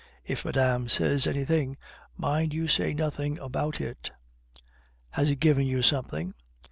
If madame says anything, mind you say nothing about it." "Has he given you something?"